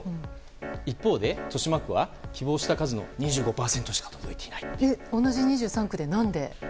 一方で、豊島区は希望した数の２５％しか届いていない。